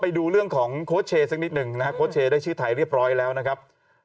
ไปดูเรื่องของโค้ชเชได้ชื่อไทยเรียบร้อยแล้วนะครับ